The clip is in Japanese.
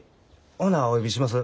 ほなお呼びします。